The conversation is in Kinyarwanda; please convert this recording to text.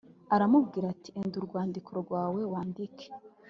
Aramubwira ati Enda urwandiko rwawe wandike.